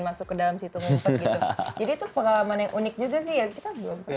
masuk ke dalam situ ngumpet gitu jadi itu pengalaman yang unik juga sih ya kita belum pernah